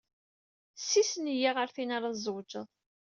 Ssisen-iyi ɣer tin ara tzewǧeḍ!